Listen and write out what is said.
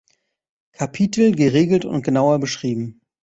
Kapitel geregelt und genauer beschrieben.